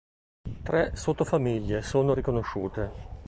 Tre sottofamiglie sono riconosciute.